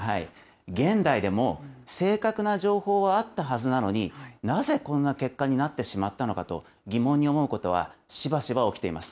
現代でも正確な情報はあったはずなのに、なぜこんな結果になってしまったのかと、疑問に思うことはしばしば起きています。